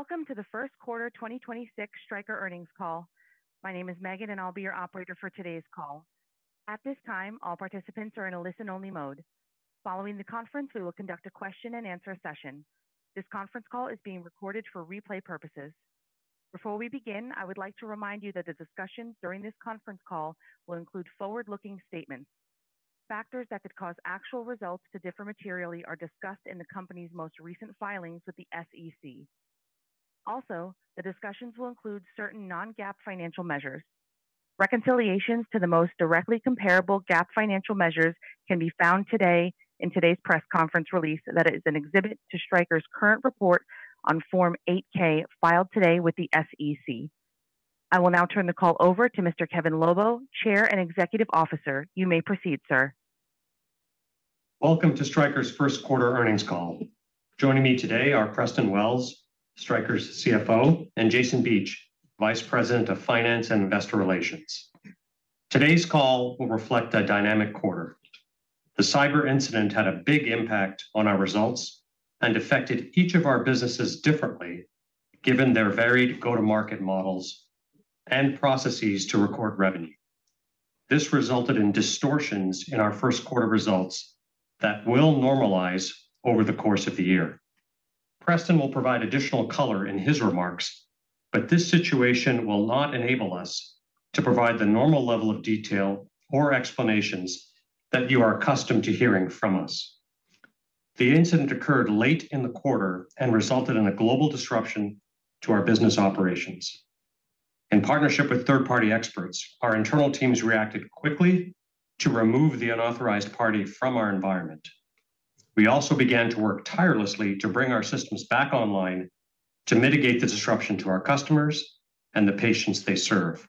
Welcome to the first quarter 2026 Stryker earnings call. My name is Megan, and I'll be your operator for today's call. At this time, all participants are in a listen-only mode. Following the conference, we will conduct a question-and-answer session. This conference call is being recorded for replay purposes. Before we begin, I would like to remind you that the discussions during this conference call will include forward-looking statements. Factors that could cause actual results to differ materially are discussed in the company's most recent filings with the SEC. Also, the discussions will include certain non-GAAP financial measures. Reconciliations to the most directly comparable GAAP financial measures can be found today in today's press release that is an exhibit to Stryker's current report on Form 8-K filed today with the SEC. I will now turn the call over to Mr. Kevin Lobo, Chair and Chief Executive Officer. You may proceed, sir. Welcome to Stryker's first quarter earnings call. Joining me today are Preston Wells, Stryker's CFO, and Jason Beach, Vice President of Finance and Investor Relations. Today's call will reflect a dynamic quarter. The cyber incident had a big impact on our results and affected each of our businesses differently given their varied go-to-market models and processes to record revenue. This resulted in distortions in our first quarter results that will normalize over the course of the year. Preston will provide additional color in his remarks, but this situation will not enable us to provide the normal level of detail or explanations that you are accustomed to hearing from us. The incident occurred late in the quarter and resulted in a global disruption to our business operations. In partnership with third-party experts, our internal teams reacted quickly to remove the unauthorized party from our environment. We also began to work tirelessly to bring our systems back online to mitigate the disruption to our customers and the patients they serve.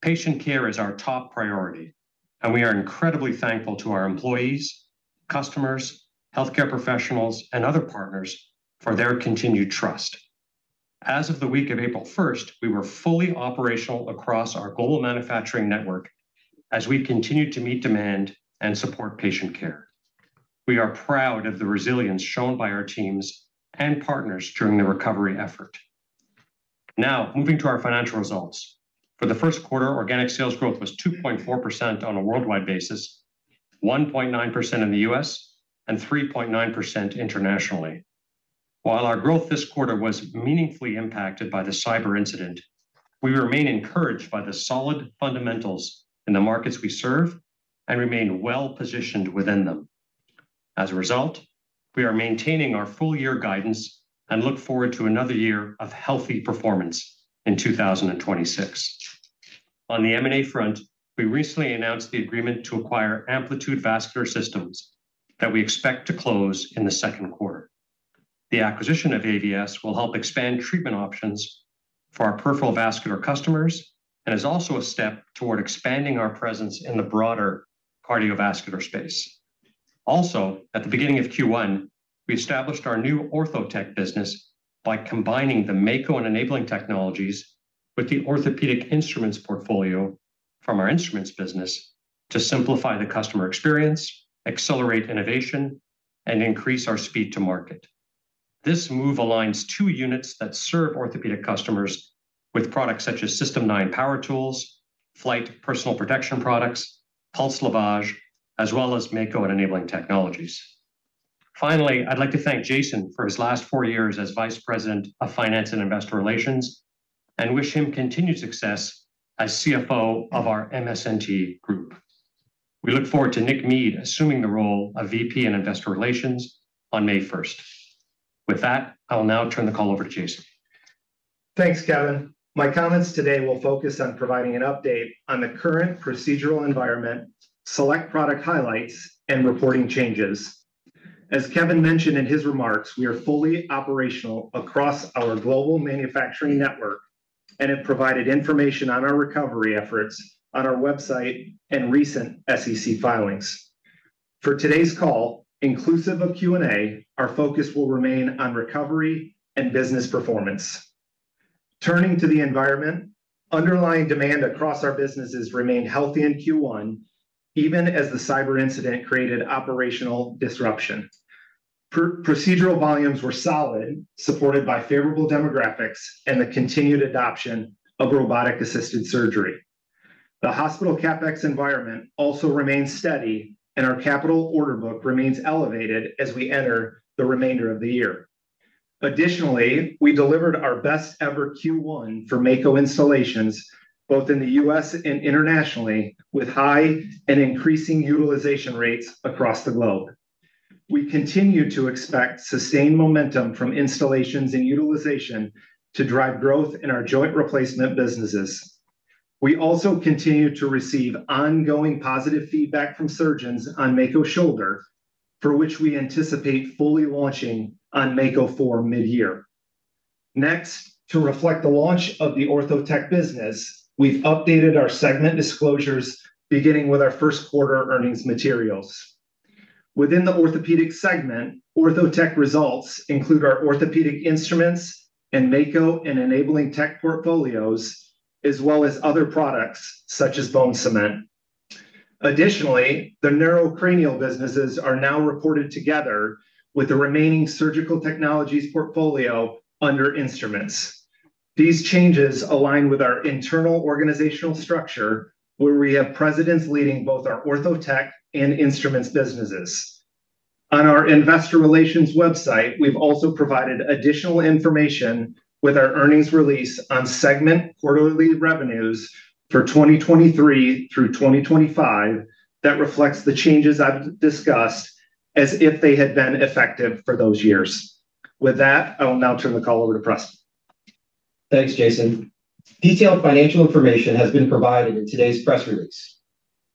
Patient care is our top priority, and we are incredibly thankful to our employees, customers, healthcare professionals, and other partners for their continued trust. As of the week of April first, we were fully operational across our global manufacturing network as we continued to meet demand and support patient care. We are proud of the resilience shown by our teams and partners during the recovery effort. Now, moving to our financial results. For the first quarter, organic sales growth was 2.4% on a worldwide basis, 1.9% in the U.S., and 3.9% internationally. While our growth this quarter was meaningfully impacted by the cyber incident, we remain encouraged by the solid fundamentals in the markets we serve and remain well-positioned within them. As a result, we are maintaining our full year guidance and look forward to another year of healthy performance in 2026. On the M&A front, we recently announced the agreement to acquire Amplitude Vascular Systems that we expect to close in the second quarter. The acquisition of AVS will help expand treatment options for our peripheral vascular customers and is also a step toward expanding our presence in the broader cardiovascular space. Also, at the beginning of Q1, we established our new Ortho Tech business by combining the Mako and Enabling Technologies with the orthopedic instruments portfolio from our instruments business to simplify the customer experience, accelerate innovation, and increase our speed to market. This move aligns two units that serve orthopedic customers with products such as System 9 power tools, Flyte Personal Protection products, Pulsed Lavage, as well as Mako and Enabling Technologies. I'd like to thank Jason for his last four years as Vice President of Finance and Investor Relations and wish him continued success as CFO of our MSNT group. We look forward to Nick Mead assuming the role of VP in Investor Relations on May 1st. With that, I will now turn the call over to Jason. Thanks, Kevin. My comments today will focus on providing an update on the current procedural environment, select product highlights, and reporting changes. As Kevin mentioned in his remarks, we are fully operational across our global manufacturing network and have provided information on our website and recent SEC filings. For today's call, inclusive of Q&A, our focus will remain on recovery and business performance. Turning to the environment, underlying demand across our businesses remained healthy in Q1, even as the cyber incident created operational disruption. Procedural volumes were solid, supported by favorable demographics and the continued adoption of robotic-assisted surgery. The hospital CapEx environment also remains steady, and our capital order book remains elevated as we enter the remainder of the year. Additionally, we delivered our best ever Q1 for Mako installations, both in the U.S. and internationally, with high and increasing utilization rates across the globe. We continue to expect sustained momentum from installations and utilization to drive growth in our joint replacement businesses. We also continue to receive ongoing positive feedback from surgeons on Mako Shoulder, for which we anticipate fully launching on Mako 4 midyear. Next, to reflect the launch of the Ortho Tech business, we've updated our segment disclosures beginning with our first quarter earnings materials. Within the Orthopedic segment, Ortho Tech results include our orthopedic instruments and Mako and Enabling Tech portfolios, as well as other products such as bone cement. Additionally, the neurocranial businesses are now reported together with the remaining Surgical Technologies portfolio under Instruments. These changes align with our internal organizational structure, where we have presidents leading both our Ortho Tech and Instruments businesses. On our investor relations website, we've also provided additional information with our earnings release on segment quarterly revenues for 2023 through 2025 that reflects the changes I've discussed as if they had been effective for those years. With that, I will now turn the call over to Preston. Thanks, Jason. Detailed financial information has been provided in today's press release.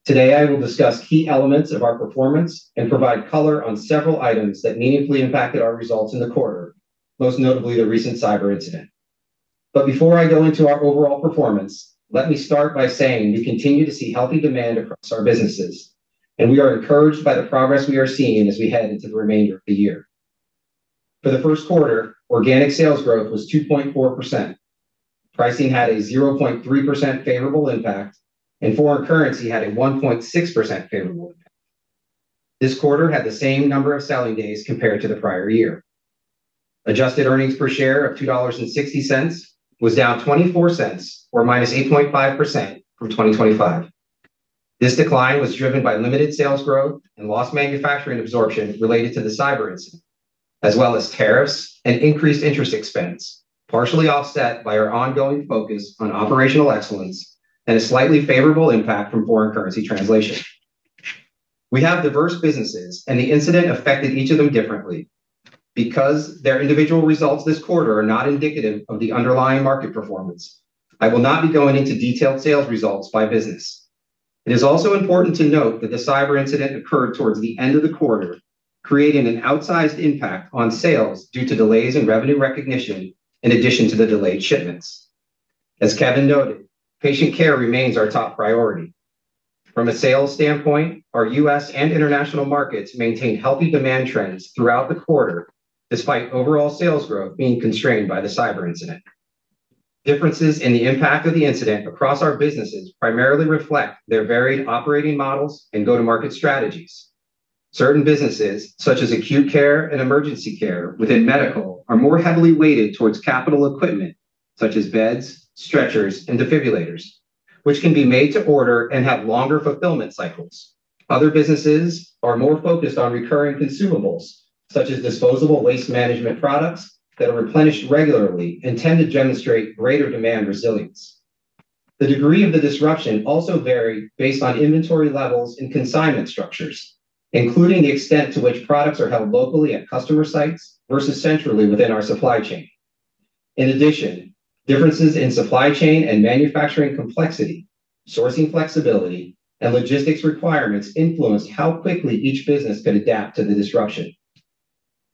Today, I will discuss key elements of our performance and provide color on several items that meaningfully impacted our results in the quarter, most notably the recent cyber incident. Before I go into our overall performance, let me start by saying we continue to see healthy demand across our businesses, and we are encouraged by the progress we are seeing as we head into the remainder of the year. For the first quarter, organic sales growth was 2.4%. Pricing had a 0.3% favorable impact, and foreign currency had a 1.6% favorable impact. This quarter had the same number of selling days compared to the prior year. Adjusted earnings per share of $2.60 was down $0.24, or -8.5% from 2025. This decline was driven by limited sales growth and lost manufacturing absorption related to the cyber incident, as well as tariffs and increased interest expense, partially offset by our ongoing focus on operational excellence and a slightly favorable impact from foreign currency translation. We have diverse businesses, and the incident affected each of them differently. Because their individual results this quarter are not indicative of the underlying market performance, I will not be going into detailed sales results by business. It is also important to note that the cyber incident occurred towards the end of the quarter, creating an outsized impact on sales due to delays in revenue recognition in addition to the delayed shipments. As Kevin noted, patient care remains our top priority. From a sales standpoint, our U.S. and international markets maintained healthy demand trends throughout the quarter, despite overall sales growth being constrained by the cyber incident. Differences in the impact of the incident across our businesses primarily reflect their varied operating models and go-to-market strategies. Certain businesses, such as acute care and emergency care within Medical, are more heavily weighted towards capital equipment such as beds, stretchers, and defibrillators, which can be made to order and have longer fulfillment cycles. Other businesses are more focused on recurring consumables, such as disposable waste management products that are replenished regularly and tend to demonstrate greater demand resilience. The degree of the disruption also varied based on inventory levels and consignment structures, including the extent to which products are held locally at customer sites versus centrally within our supply chain. In addition, differences in supply chain and manufacturing complexity, sourcing flexibility, and logistics requirements influenced how quickly each business could adapt to the disruption.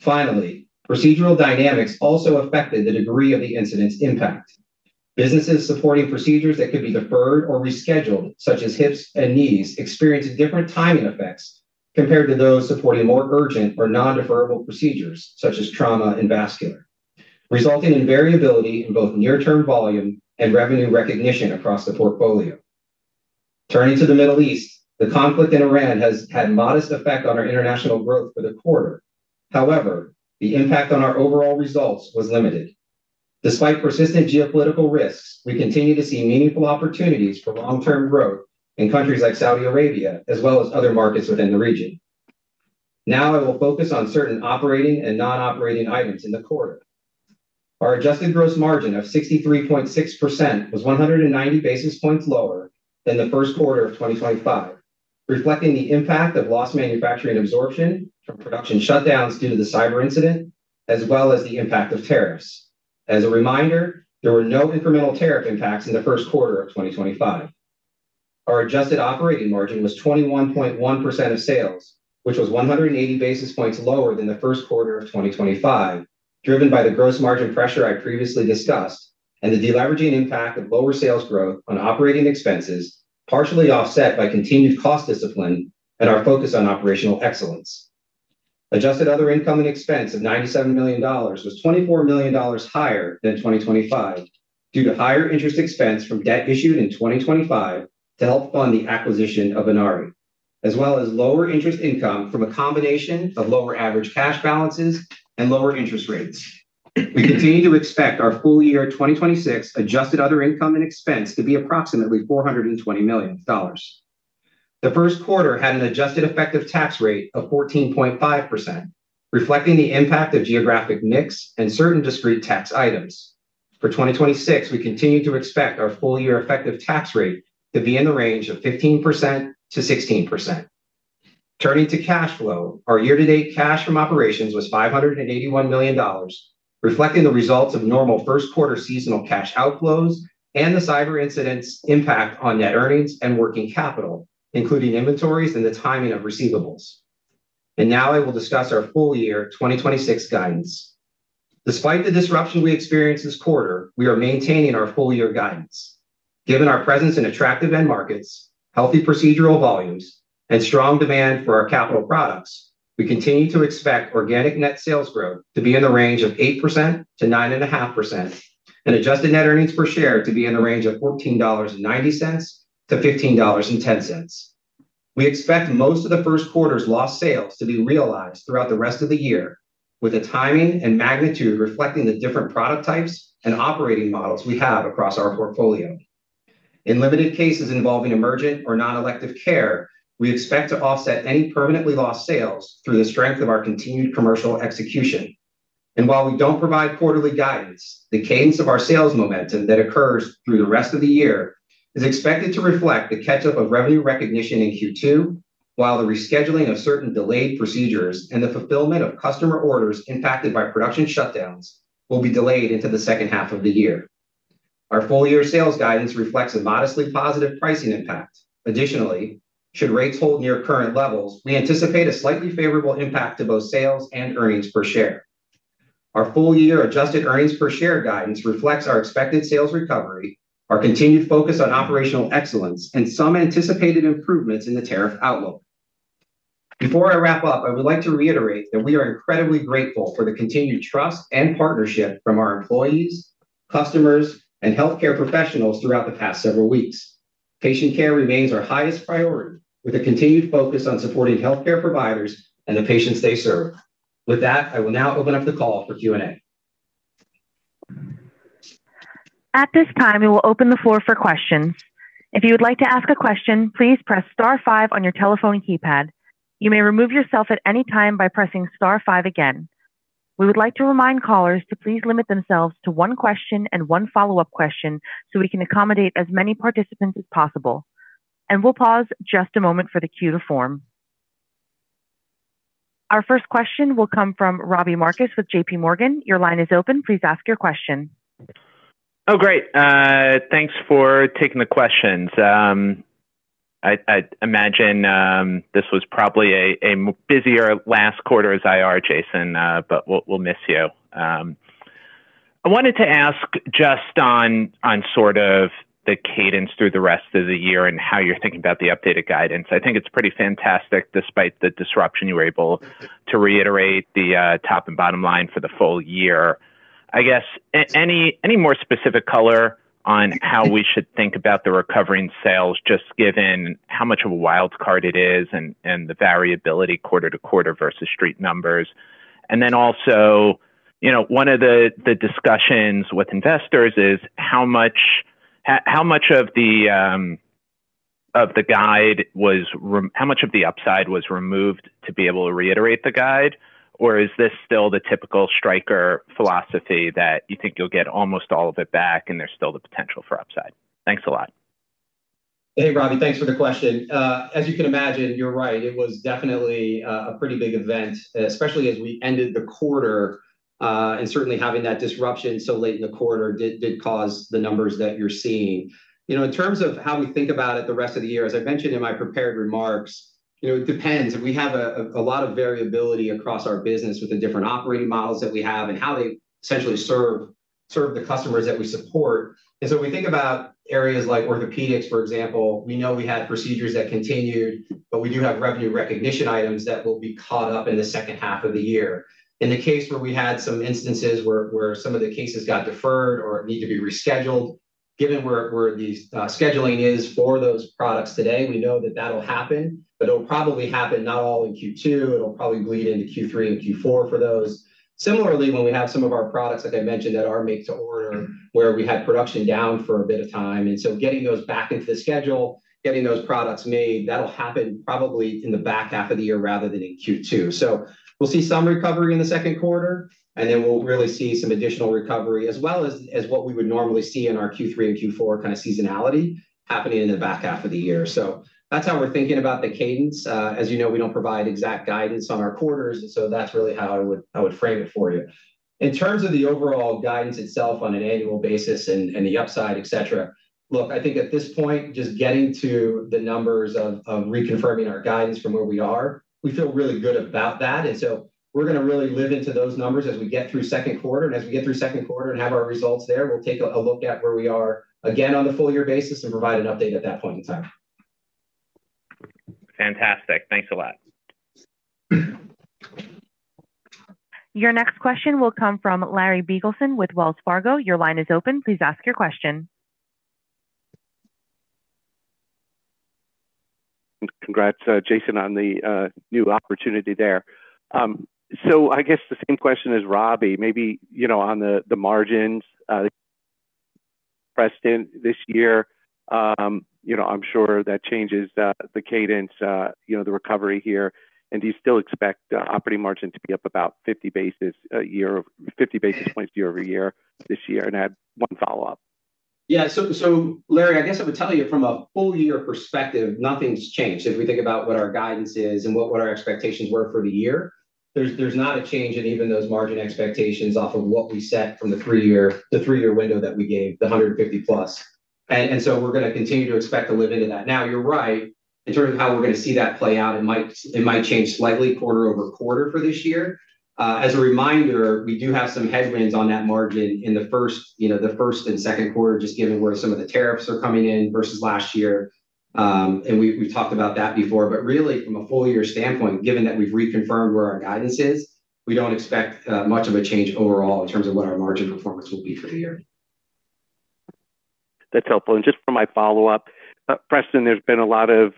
Procedural dynamics also affected the degree of the incident's impact. Businesses supporting procedures that could be deferred or rescheduled, such as hips and knees, experienced different timing effects compared to those supporting more urgent or non-deferrable procedures such as trauma and vascular, resulting in variability in both near-term volume and revenue recognition across the portfolio. Turning to the Middle East, the conflict in Iran has had modest effect on our international growth for the quarter. The impact on our overall results was limited. Despite persistent geopolitical risks, we continue to see meaningful opportunities for long-term growth in countries like Saudi Arabia, as well as other markets within the region. I will focus on certain operating and non-operating items in the quarter. Our adjusted gross margin of 63.6% was 190 basis points lower than the first quarter of 2025, reflecting the impact of lost manufacturing absorption from production shutdowns due to the cyber incident, as well as the impact of tariffs. As a reminder, there were no incremental tariff impacts in the first quarter of 2025. Our adjusted operating margin was 21.1% of sales, which was 180 basis points lower than the first quarter of 2025, driven by the gross margin pressure I previously discussed and the deleveraging impact of lower sales growth on operating expenses, partially offset by continued cost discipline and our focus on operational excellence. Adjusted other income and expense of $97 million was $24 million higher than 2025 due to higher interest expense from debt issued in 2025 to help fund the acquisition of Inari, as well as lower interest income from a combination of lower average cash balances and lower interest rates. We continue to expect our full year 2026 adjusted other income and expense to be approximately $420 million. The first quarter had an adjusted effective tax rate of 14.5%, reflecting the impact of geographic mix and certain discrete tax items. For 2026, we continue to expect our full year effective tax rate to be in the range of 15%-16%. Turning to cash flow, our year to date cash from operations was $581 million, reflecting the results of normal first quarter seasonal cash outflows and the cyber incident's impact on net earnings and working capital, including inventories and the timing of receivables. Now I will discuss our full year 2026 guidance. Despite the disruption we experienced this quarter, we are maintaining our full year guidance. Given our presence in attractive end markets, healthy procedural volumes, strong demand for our capital products. We continue to expect organic net sales growth to be in the range of 8%-9.5%, and adjusted net earnings per share to be in the range of $14.90-$15.10. We expect most of the first quarter's lost sales to be realized throughout the rest of the year, with the timing and magnitude reflecting the different product types and operating models we have across our portfolio. In limited cases involving emergent or non-elective care, we expect to offset any permanently lost sales through the strength of our continued commercial execution. While we don't provide quarterly guidance, the cadence of our sales momentum that occurs through the rest of the year is expected to reflect the catch-up of revenue recognition in Q2, while the rescheduling of certain delayed procedures and the fulfillment of customer orders impacted by production shutdowns will be delayed into the second half of the year. Our full year sales guidance reflects a modestly positive pricing impact. Additionally, should rates hold near current levels, we anticipate a slightly favorable impact to both sales and earnings per share. Our full year adjusted earnings per share guidance reflects our expected sales recovery, our continued focus on operational excellence, and some anticipated improvements in the tariff outlook. Before I wrap up, I would like to reiterate that we are incredibly grateful for the continued trust and partnership from our employees, customers, and healthcare professionals throughout the past several weeks. Patient care remains our highest priority, with a continued focus on supporting healthcare providers and the patients they serve. With that, I will now open up the call for Q&A. At this time, we will open the floor for questions. If you would like to ask a question, please press star five on your telephone keypad. You may remove yourself at any time by pressing star five again. We would like to remind callers to please limit themselves to one question and one follow-up question so we can accommodate as many participants as possible. We'll pause just a moment for the queue to form. Our first question will come from Robbie Marcus with JPMorgan. Your line is open. Please ask your question. Great. Thanks for taking the questions. I imagine this was probably a busier last quarter as IR, Jason, but we'll miss you. I wanted to ask just on sort of the cadence through the rest of the year and how you're thinking about the updated guidance. I think it's pretty fantastic despite the disruption, you were able to reiterate the top and bottom line for the full year. I guess any more specific color on how we should think about the recovery in sales, just given how much of a wild card it is and the variability quarter to quarter versus street numbers. Also, you know, one of the discussions with investors is how much of the upside was removed to be able to reiterate the guide? Or is this still the typical Stryker philosophy that you think you'll get almost all of it back and there's still the potential for upside? Thanks a lot. Hey, Robbie. Thanks for the question. As you can imagine, you're right. It was definitely a pretty big event, especially as we ended the quarter. Certainly having that disruption so late in the quarter did cause the numbers that you're seeing. You know, in terms of how we think about it the rest of the year, as I mentioned in my prepared remarks, you know, it depends. We have a lot of variability across our business with the different operating models that we have and how they essentially serve the customers that we support. We think about areas like orthopedics, for example, we know we had procedures that continued, but we do have revenue recognition items that will be caught up in the second half of the year. In the case where we had some instances where some of the cases got deferred or need to be rescheduled, given where the scheduling is for those products today, we know that that'll happen, but it'll probably happen not all in Q2. It'll probably bleed into Q3 and Q4 for those. Similarly, when we have some of our products, like I mentioned, that are make to order, where we had production down for a bit of time, and so getting those back into the schedule, getting those products made, that'll happen probably in the back half of the year rather than in Q2. So we'll see some recovery in the second quarter, and then we'll really see some additional recovery as well as what we would normally see in our Q3 and Q4 kind of seasonality happening in the back half of the year. That's how we're thinking about the cadence. As you know, we don't provide exact guidance on our quarters, that's really how I would frame it for you. In terms of the overall guidance itself on an annual basis and the upside, et cetera, look, I think at this point, just getting to the numbers of reconfirming our guidance from where we are, we feel really good about that. We're going to really live into those numbers as we get through second quarter. We get through second quarter and have our results there, we'll take a look at where we are again on the full year basis and provide an update at that point in time. Fantastic. Thanks a lot. Your next question will come from Larry Biegelsen with Wells Fargo. Your line is open. Please ask your question. Congrats, Jason, on the new opportunity there. I guess the same question as Robbie, maybe, you know, on the margins, Preston, this year. You know, I'm sure that changes the cadence, you know, the recovery here. Do you still expect operating margin to be up about 50 basis points year-over-year this year? I have one follow-up. Larry, I guess I would tell you from a full year perspective, nothing's changed. If we think about what our guidance is and what our expectations were for the year, there's not a change in even those margin expectations off of what we set from the three-year window that we gave, the 150+. We're going to continue to expect to live into that. You're right, in terms of how we're going to see that play out, it might change slightly quarter-over-quarter for this year. As a reminder, we do have some headwinds on that margin in the first, you know, the first and second quarter, just given where some of the tariffs are coming in versus last year. We've talked about that before. Really from a full year standpoint, given that we've reconfirmed where our guidance is, we don't expect much of a change overall in terms of what our margin performance will be for the year. That's helpful. Just for my follow-up, Preston, there's been a lot of,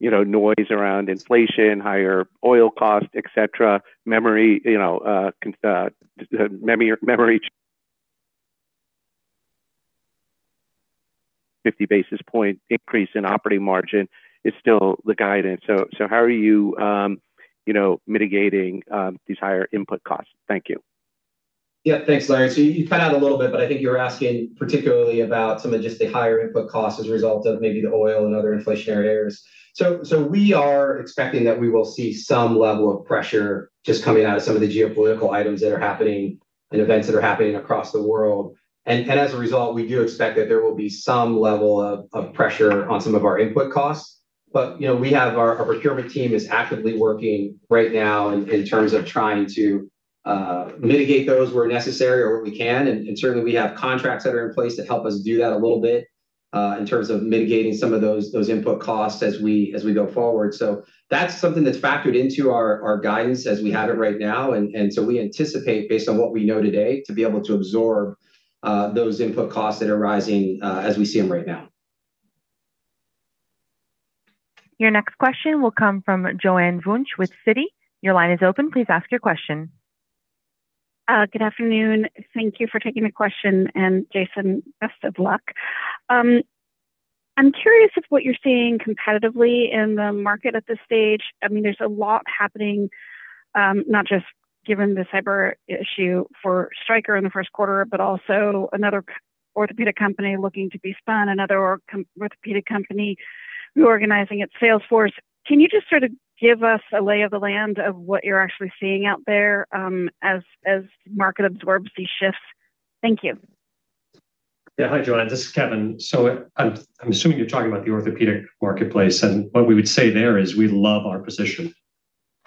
you know, noise around inflation, higher oil costs, et cetera. Remember, you know, 50 basis point increase in operating margin is still the guidance. How are you know, mitigating these higher input costs? Thank you. Yeah. Thanks, Larry. You cut out a little bit, but I think you're asking particularly about some of just the higher input costs as a result of maybe the oil and other inflationary areas. We are expecting that we will see some level of pressure just coming out of some of the geopolitical items that are happening and events that are happening across the world. As a result, we do expect that there will be some level of pressure on some of our input costs. You know, we have our procurement team is actively working right now in terms of trying to mitigate those where necessary or where we can. Certainly we have contracts that are in place to help us do that a little bit in terms of mitigating some of those input costs as we go forward. That's something that's factored into our guidance as we have it right now. So we anticipate based on what we know today, to be able to absorb those input costs that are rising as we see them right now. Your next question will come from Joanne Wuensch with Citi. Your line is open. Please ask your question. Good afternoon. Thank you for taking the question, Jason, best of luck. I'm curious of what you're seeing competitively in the market at this stage. I mean, there's a lot happening, not just given the cyber issue for Stryker in the first quarter, but also another orthopedic company looking to be spun, another orthopedic company reorganizing its sales force. Can you just sort of give us a lay of the land of what you're actually seeing out there, as the market absorbs these shifts? Thank you. Hi, Joanne. This is Kevin. I'm assuming you're talking about the orthopedic marketplace. What we would say there is we love our position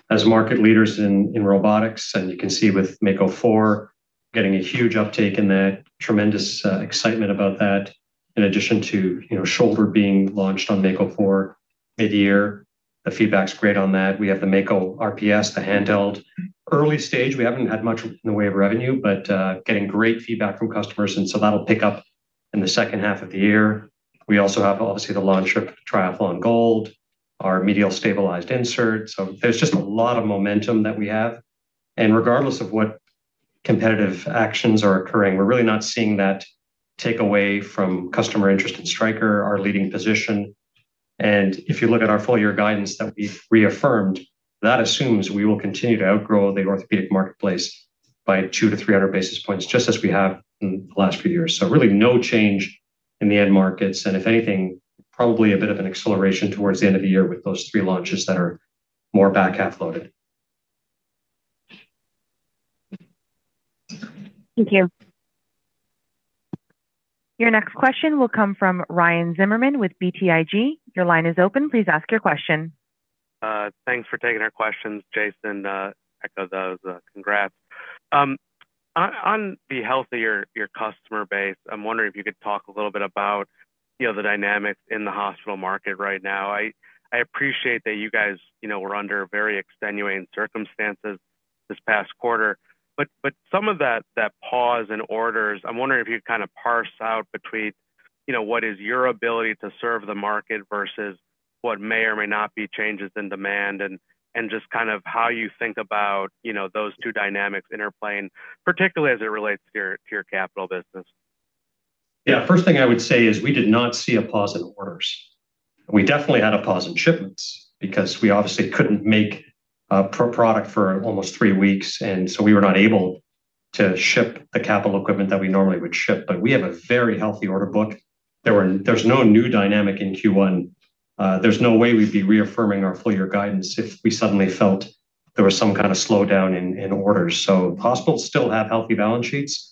as market leaders in robotics, and you can see with Mako 4 getting a huge uptake in that, tremendous excitement about that. In addition to, you know, shoulder being launched on Mako 4 mid-year. The feedback's great on that. We have the Mako RPS, the handheld. Early stage, we haven't had much in the way of revenue, getting great feedback from customers, that'll pick up in the second half of the year. We also have obviously the launch of Triathlon Gold, our medial stabilized insert. There's just a lot of momentum that we have. Regardless of what competitive actions are occurring, we're really not seeing that take away from customer interest in Stryker, our leading position. If you look at our full year guidance that we've reaffirmed, that assumes we will continue to outgrow the orthopedic marketplace by 200-300 basis points, just as we have in the last few years. Really no change in the end markets. If anything, probably a bit of an acceleration towards the end of the year with those three launches that are more back half loaded. Thank you. Your next question will come from Ryan Zimmerman with BTIG. Thanks for taking our questions, Jason. Echo those congrats. On the health of your customer base, I'm wondering if you could talk a little bit about, you know, the dynamics in the hospital market right now. I appreciate that you guys, you know, were under very extenuating circumstances this past quarter, but some of that pause in orders, I'm wondering if you kind of parse out between, you know, what is your ability to serve the market versus what may or may not be changes in demand and just kind of how you think about, you know, those two dynamics interplaying, particularly as it relates to your capital business. First thing I would say is we did not see a pause in orders. We definitely had a pause in shipments because we obviously couldn't make product for almost three weeks, and so we were not able to ship the capital equipment that we normally would ship. We have a very healthy order book. There's no new dynamic in Q1. There's no way we'd be reaffirming our full year guidance if we suddenly felt there was some kind of slowdown in orders. Hospitals still have healthy balance sheets.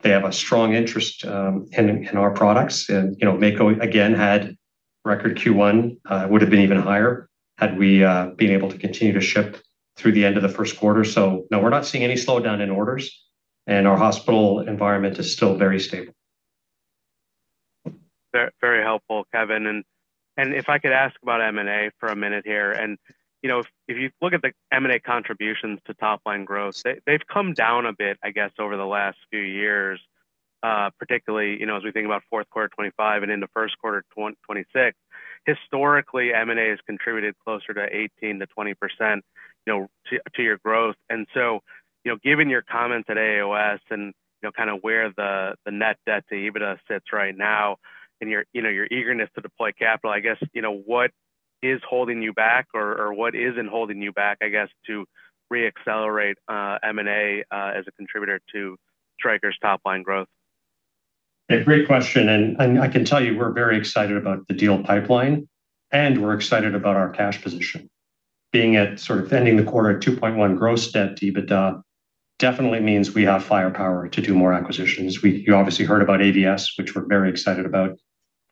They have a strong interest in our products. You know, Mako, again, had record Q1. It would've been even higher had we been able to continue to ship through the end of the first quarter. No, we're not seeing any slowdown in orders, and our hospital environment is still very stable. Very helpful, Kevin. If I could ask about M&A for a minute here, you know, if you look at the M&A contributions to top-line growth, they've come down a bit, I guess, over the last few years, particularly, you know, as we think about fourth quarter 2025 and into first quarter 2026. Historically, M&A has contributed closer to 18%-20%, you know, to your growth. You know, given your comments at AAOS and, you know, kind of where the net debt to EBITDA sits right now and your, you know, your eagerness to deploy capital, I guess, you know, what is holding you back or what isn't holding you back, I guess, to re-accelerate M&A as a contributor to Stryker's top line growth? Yeah, great question. I can tell you, we're very excited about the deal pipeline, and we're excited about our cash position. Being at sort of ending the quarter at 2.1 gross debt to EBITDA definitely means we have firepower to do more acquisitions. You obviously heard about AVS, which we're very excited about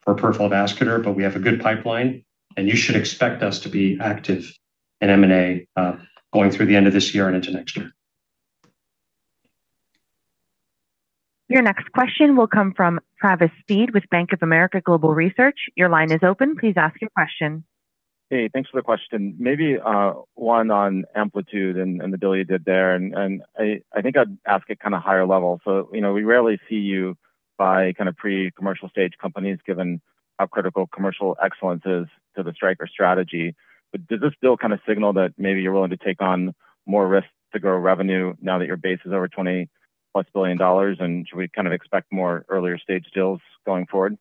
for peripheral vasculature, but we have a good pipeline. You should expect us to be active in M&A, going through the end of this year and into next year. Your next question will come from Travis Steed with Bank of America Global Research. Your line is open. Please ask your question. Hey, thanks for the question. Maybe one on Amplitude and the deal you did there, and I think I'd ask it kind of higher level. You know, we rarely see you buy kind of pre-commercial stage companies, given how critical commercial excellence is to the Stryker strategy. Does this deal kind of signal that maybe you're willing to take on more risks to grow revenue now that your base is over $20+ billion? Should we kind of expect more earlier stage deals going forward?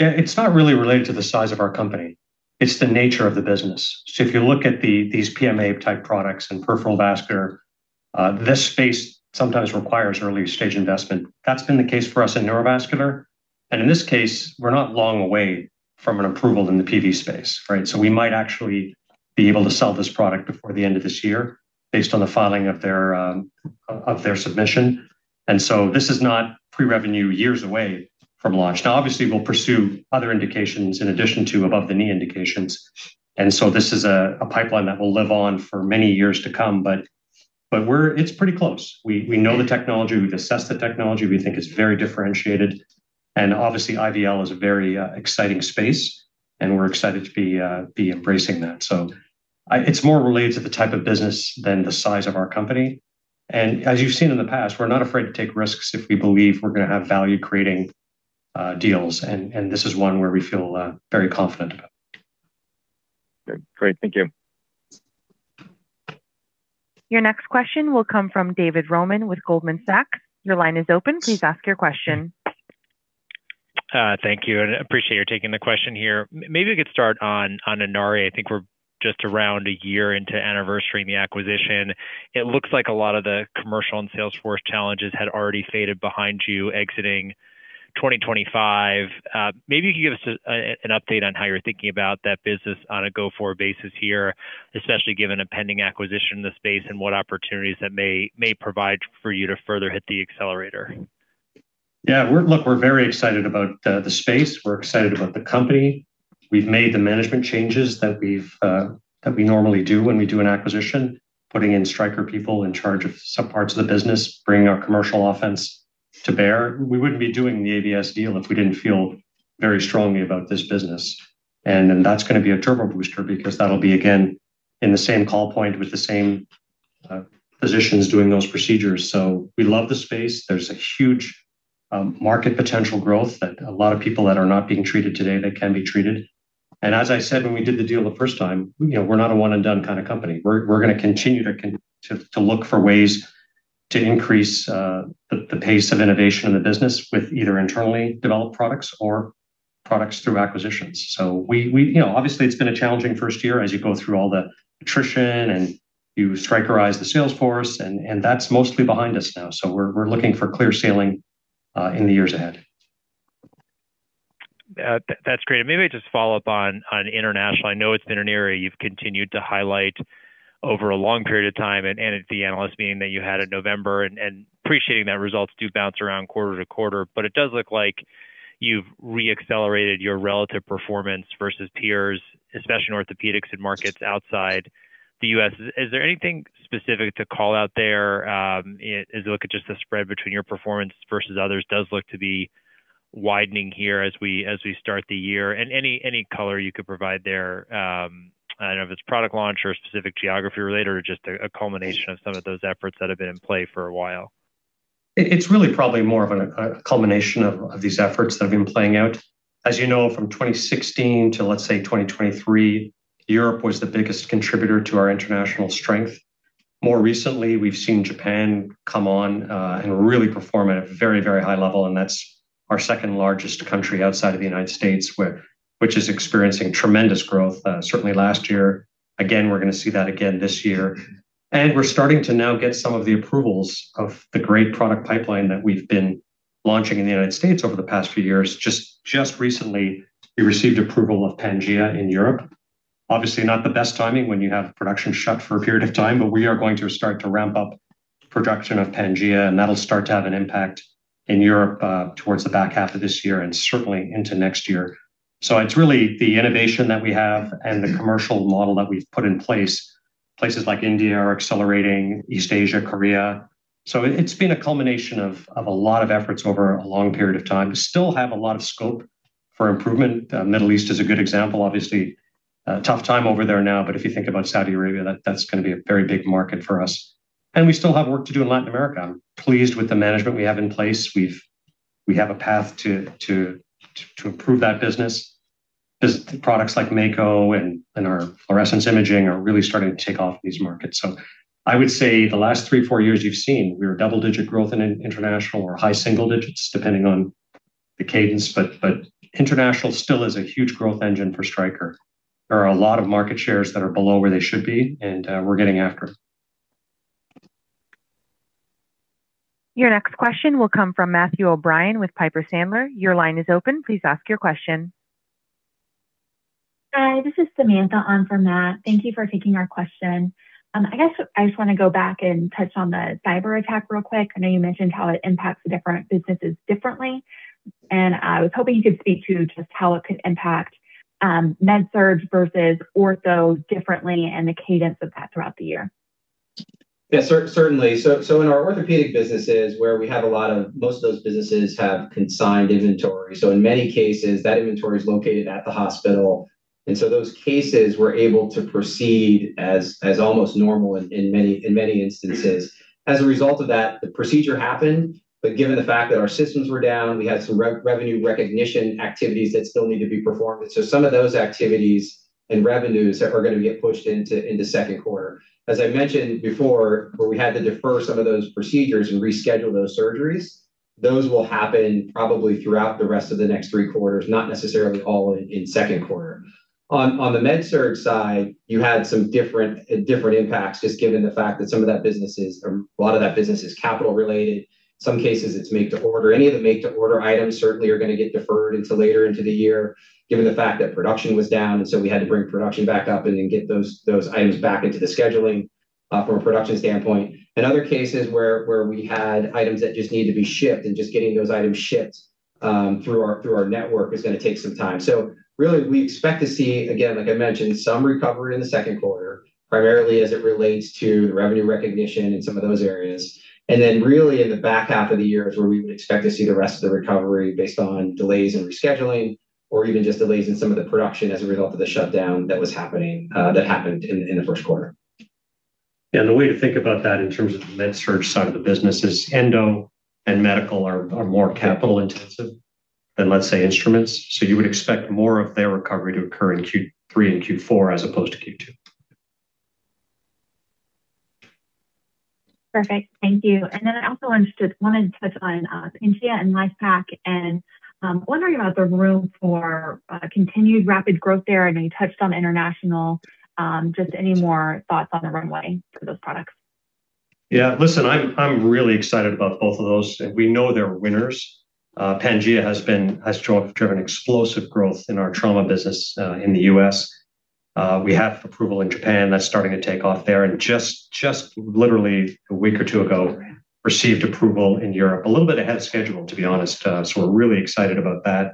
Yeah, it's not really related to the size of our company. It's the nature of the business. If you look at these PMA-type products in peripheral vascular, this space sometimes requires early stage investment. That's been the case for us in neurovascular, and in this case, we're not long away from an approval in the PV space, right? We might actually be able to sell this product before the end of this year based on the filing of their submission. This is not pre-revenue years away from launch. Now, obviously, we'll pursue other indications in addition to above-the-knee indications. This is a pipeline that will live on for many years to come, but it's pretty close. We know the technology. We've assessed the technology. We think it's very differentiated. Obviously IVL is a very exciting space, and we're excited to be embracing that. It's more related to the type of business than the size of our company. As you've seen in the past, we're not afraid to take risks if we believe we're gonna have value-creating deals. This is one where we feel very confident about. Great. Thank you. Your next question will come from David Roman with Goldman Sachs. Your line is open. Please ask your question. Thank you. Appreciate your taking the question here. Maybe I could start on Inari. I think we're just around a year into anniversary-ing the acquisition. It looks like a lot of the commercial and sales force challenges had already faded behind you exiting 2025. Maybe you could give us an update on how you're thinking about that business on a go-forward basis here, especially given impending acquisition in the space and what opportunities that may provide for you to further hit the accelerator. Yeah, look, we're very excited about the space. We're excited about the company. We've made the management changes that we've that we normally do when we do an acquisition, putting in Stryker people in charge of some parts of the business, bringing our commercial offense to bear. We wouldn't be doing the AVS deal if we didn't feel very strongly about this business. Then that's gonna be a turbo booster because that'll be, again, in the same call point with the same physicians doing those procedures. We love the space. There's a huge market potential growth that a lot of people that are not being treated today that can be treated. As I said when we did the deal the first time, you know, we're not a one-and-done kind of company. We're gonna continue to look for ways to increase the pace of innovation in the business with either internally developed products or products through acquisitions. We, you know, obviously it's been a challenging first year as you go through all the attrition and you Strykerize the sales force and that's mostly behind us now. We're looking for clear sailing in the years ahead. That's great. Maybe just follow up on international. I know it's been an area you've continued to highlight over a long period of time and at the analyst meeting that you had in November. Appreciating that results do bounce around quarter to quarter, but it does look like you've re-accelerated your relative performance versus peers, especially in orthopedics in markets outside the U.S. Is there anything specific to call out there? As you look at just the spread between your performance versus others does look to be widening here as we start the year. Any color you could provide there, I don't know if it's product launch or specific geography related or just a culmination of some of those efforts that have been in play for a while. It's really probably more of a culmination of these efforts that have been playing out. As you know, from 2016 to, let's say, 2023, Europe was the biggest contributor to our international strength. More recently, we've seen Japan come on and really perform at a very, very high level, and that's our second largest country outside of the United States, which is experiencing tremendous growth certainly last year. Again, we're gonna see that again this year. We're starting to now get some of the approvals of the great product pipeline that we've been launching in the United States over the past few years. Just recently, we received approval of Pangea in Europe. Obviously, not the best timing when you have production shut for a period of time, but we are going to start to ramp up production of Pangea, and that'll start to have an impact in Europe towards the back half of this year and certainly into next year. It's really the innovation that we have and the commercial model that we've put in place. Places like India are accelerating, East Asia, Korea. It's been a culmination of a lot of efforts over a long period of time. Still have a lot of scope for improvement. Middle East is a good example. Obviously a tough time over there now, but if you think about Saudi Arabia, that's gonna be a very big market for us. We still have work to do in Latin America. I'm pleased with the management we have in place. We have a path to improve that business. As products like Mako and our Fluorescence Imaging are really starting to take off in these markets. I would say the last three, four years, you've seen we're double-digit growth in international or high single digits, depending on the cadence. International still is a huge growth engine for Stryker. There are a lot of market shares that are below where they should be, and we're getting after them. Your next question will come from Matthew O'Brien with Piper Sandler. Your line is open. Please ask your question. Hi, this is Samantha on for Matt. Thank you for taking our question. I guess I just want to go back and touch on the cyberattack real quick. I know you mentioned how it impacts the different businesses differently, and I was hoping you could speak to just how it could impact. MedSurg versus Ortho differently and the cadence of that throughout the year. Certainly. In our orthopedic businesses where we have a lot of-- Most of those businesses have consigned inventory, so in many cases that inventory is located at the hospital. Those cases we're able to proceed as almost normal in many instances. As a result of that, the procedure happened, but given the fact that our systems were down, we had some revenue recognition activities that still need to be performed. Some of those activities and revenues are going to get pushed into second quarter. As I mentioned before, where we had to defer some of those procedures and reschedule those surgeries, those will happen probably throughout the rest of the next three quarters, not necessarily all in second quarter. On the MedSurg side, you had some different impacts just given the fact that some of that business is, or a lot of that business is capital-related. Some cases it's make-to-order. Any of the make-to-order items certainly are going to get deferred until later into the year given the fact that production was down. We had to bring production back up and then get those items back into the scheduling from a production standpoint. In other cases where we had items that just need to be shipped and just getting those items shipped through our network is going to take some time. Really we expect to see, again, like I mentioned, some recovery in the second quarter, primarily as it relates to the revenue recognition in some of those areas. Really in the back half of the year is where we would expect to see the rest of the recovery based on delays in rescheduling or even just delays in some of the production as a result of the shutdown that was happening, that happened in the first quarter. The way to think about that in terms of the MedSurg side of the business is Endo and medical are more capital intensive than, let's say, instruments. You would expect more of their recovery to occur in Q3 and Q4 as opposed to Q2. Perfect. Thank you. I also wanted to touch on, Pangea and LIFEPAK, wondering about the room for continued rapid growth there. I know you touched on international. Just any more thoughts on the runway for those products? Listen, I'm really excited about both of those. We know they're winners. Pangea has driven explosive growth in our trauma business in the U.S. We have approval in Japan, that's starting to take off there. Just literally a week or two ago received approval in Europe. A little bit ahead of schedule, to be honest. We're really excited about that.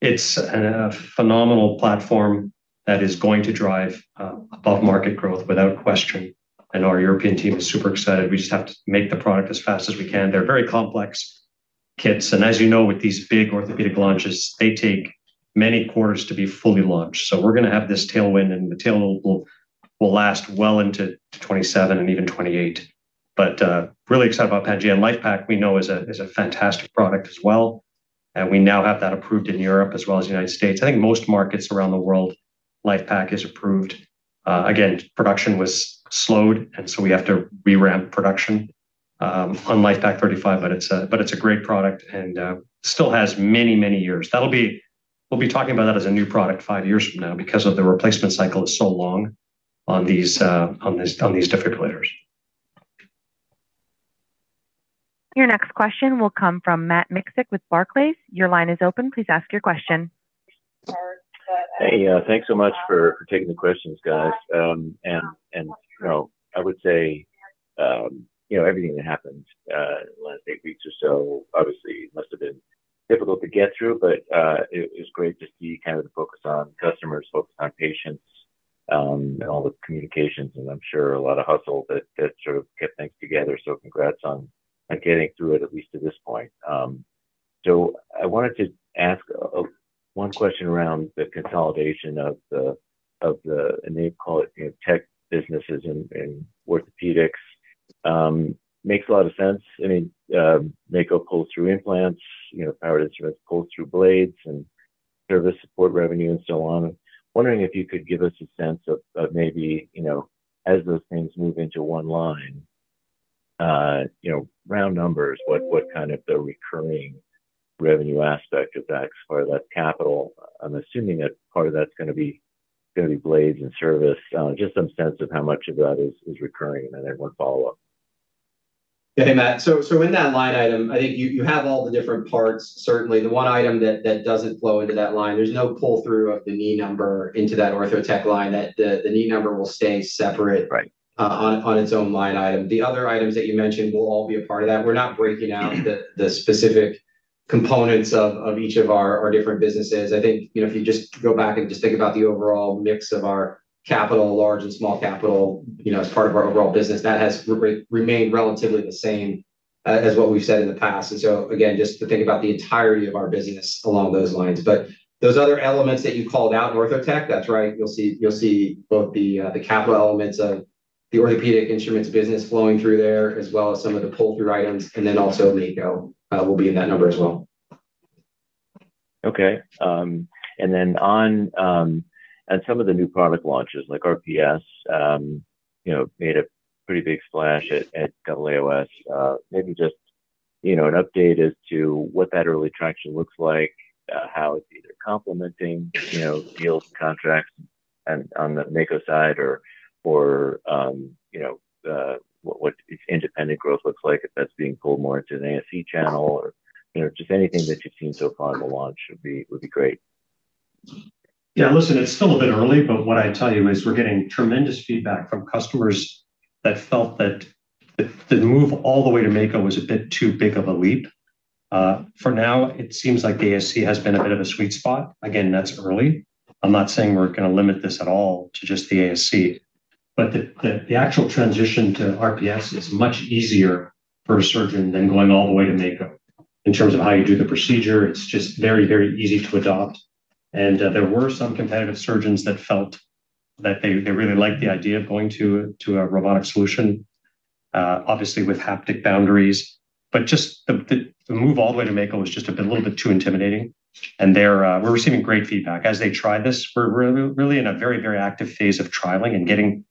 It's a phenomenal platform that is going to drive above market growth without question. Our European team is super excited. We just have to make the product as fast as we can. They're very complex kits. As you know, with these big orthopedic launches, they take many quarters to be fully launched. We're gonna have this tailwind, and the tailwind will last well into 2027 and even 2028. Really excited about Pangea, and LIFEPAK we know is a fantastic product as well, and we now have that approved in Europe as well as the United States. I think most markets around the world, LIFEPAK is approved. Again, production was slowed, we have to re-ramp production on LIFEPAK 35, but it's a great product and still has many, many years. We'll be talking about that as a new product five years from now because of the replacement cycle is so long on these defibrillators. Your next question will come from Matt Miksic with Barclays. Your line is open. Please ask your question. Hey, thanks so much for taking the questions, guys. You know, I would say, you know, everything that happened in the last eight weeks or so obviously must have been difficult to get through. It is great to see kind of the focus on customers, focus on patients, and all the communications and I'm sure a lot of hustle that sort of get things together. Congrats on getting through it, at least to this point. I wanted to ask one question around the consolidation of the, of the, and they call it, you know, tech businesses in orthopedics. Makes a lot of sense. I mean, Mako pulls through implants, you know, Powered Instruments pulls through blades and service support revenue and so on. Wondering if you could give us a sense of maybe, you know, as those things move into one line, you know, round numbers, what kind of the recurring revenue aspect of that or less capital? I'm assuming that part of that's gonna be blades and service. Just some sense of how much of that is recurring. I have one follow-up. Yeah. Hey, Matt. In that line item, I think you have all the different parts. Certainly the one item that doesn't flow into that line, there's no pull-through of the knee number into that Ortho Tech line, that the knee number will stay separate. Right... on its own line item. The other items that you mentioned will all be a part of that. We're not breaking out the specific components of each of our different businesses. I think, you know, if you just go back and just think about the overall mix of our capital, large and small capital, you know, as part of our overall business, that has remained relatively the same as what we've said in the past. Again, just to think about the entirety of our business along those lines. Those other elements that you called out in Ortho Tech, that's right. You'll see both the capital elements of the orthopedic instruments business flowing through there, as well as some of the pull-through items. Then also Mako will be in that number as well. Okay. On some of the new product launches like RPS, you know, made a pretty big splash at AAOS. Maybe just, you know, an update as to what that early traction looks like, how it's either complementing, you know, deals and contracts and on the Mako side or, you know, what independent growth looks like if that's being pulled more into the ASC channel or, you know, just anything that you've seen so far in the launch would be great. Listen, it's still a bit early, but what I tell you is we're getting tremendous feedback from customers that felt that the move all the way to Mako was a bit too big of a leap. For now, it seems like the ASC has been a bit of a sweet spot. Again, that's early. I'm not saying we're gonna limit this at all to just the ASC, but the actual transition to RPS is much easier for a surgeon than going all the way to Mako. In terms of how you do the procedure, it's just very easy to adopt. There were some competitive surgeons that felt that they really liked the idea of going to a robotic solution, obviously with haptic boundaries, but just the, the move all the way to Mako was just a bit little bit too intimidating. They're we're receiving great feedback. As they try this, we're really in a very, very active phase of trialing and getting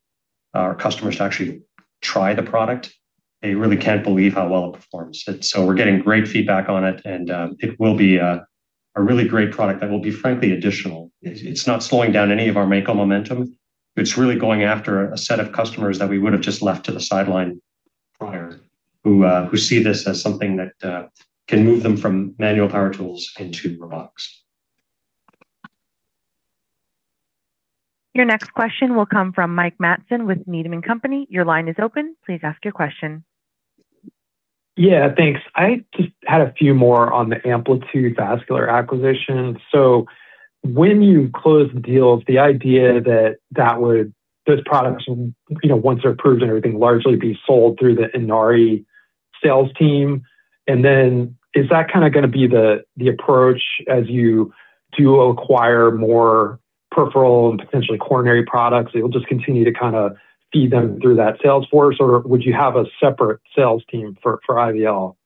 our customers to actually try the product. They really can't believe how well it performs. We're getting great feedback on it will be a really great product that will be frankly additional. It's not slowing down any of our Mako momentum. It's really going after a set of customers that we would've just left to the sideline prior, who see this as something that, can move them from manual power tools into robotics. Your next question will come from Mike Matson with Needham & Company. Yeah, thanks. I just had a few more on the Amplitude Vascular acquisition. When you close the deals, the idea that those products will, you know, once they're approved and everything, largely be sold through the Inari sales team. Is that kind of going to be the approach as you do acquire more peripheral and potentially coronary products? It'll just continue to kind of feed them through that sales force, or would you have a separate sales team for IVL?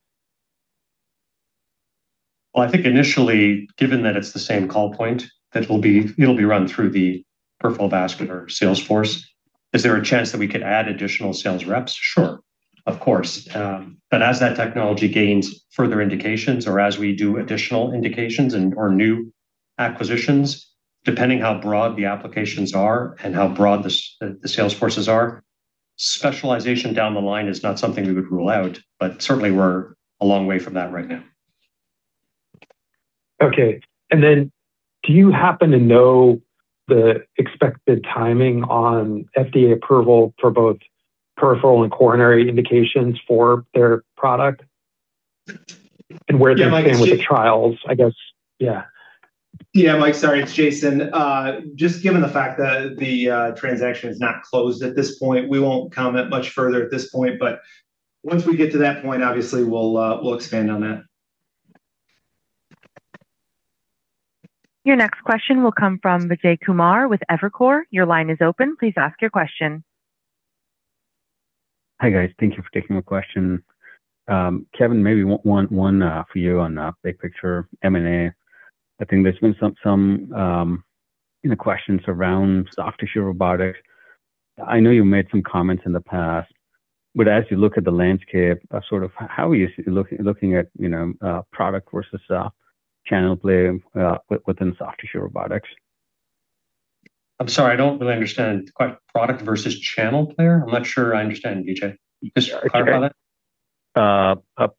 Well, I think initially, given that it's the same call point, it'll be run through the peripheral vascular sales force. Is there a chance that we could add additional sales reps? Sure. Of course. As that technology gains further indications or as we do additional indications and/or new acquisitions, depending how broad the applications are and how broad the sales forces are, specialization down the line is not something we would rule out, certainly we're a long way from that right now. Okay. Do you happen to know the expected timing on FDA approval for both peripheral and coronary indications for their product? Where they're standing with the trials, I guess. Yeah. Yeah, Mike. Sorry, it's Jason. Just given the fact that the transaction is not closed at this point, we won't comment much further at this point, but once we get to that point, obviously we'll expand on that. Your next question will come from Vijay Kumar with Evercore. Your line is open. Please ask your question. Hi, guys. Thank you for taking my question. Kevin, maybe one for you on big picture M&A. I think there's been some, you know, questions around soft tissue robotics. I know you made some comments in the past, but as you look at the landscape, sort of how are you looking at, you know, product versus channel play within soft tissue robotics? I'm sorry, I don't really understand. Product versus channel player? I'm not sure I understand, Vijay. Can you just clarify that? A